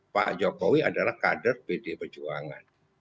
pak jokowi adalah kader pd pejuangan